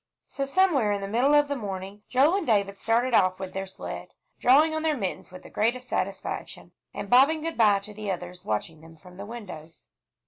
So somewhere in the middle of the morning, Joel and David started off with their sled, drawing on their mittens with the greatest satisfaction, and bobbing good by to the others watching them from the windows.